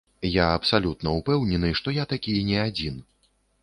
Я абсалютна ўпэўнены, што я такі не адзін.